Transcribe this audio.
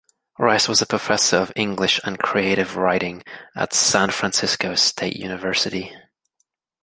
Rice was a professor of English and Creative Writing at San Francisco State University.